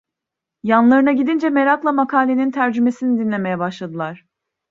Yanlarına gidince merakla makalenin tercümesini dinlemeye başladılar.